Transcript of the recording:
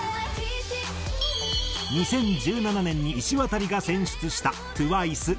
２０１７年にいしわたりが選出したＴＷＩＣＥ『ＴＴ』。